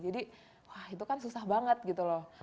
jadi wah itu kan susah banget gitu loh